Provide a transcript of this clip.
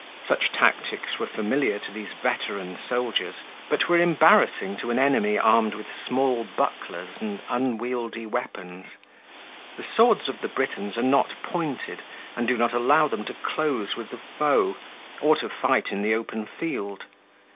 Such tactics were familiar to these veteran soldiers, but were embarrassing to an enemy armed with small bucklers and unwieldy weapons. The swords of the Britons are not pointed, and do not allow them to close with the foe, or to fight in the open field.